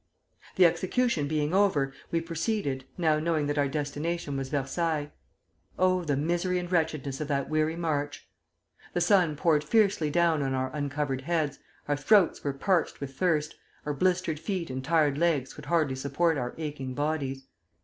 "The execution being over, we proceeded, now knowing that our destination was Versailles. Oh, the misery and wretchedness of that weary march! The sun poured fiercely down on our uncovered heads, our throats were parched with thirst, our blistered feet and tired legs could hardly support our aching bodies.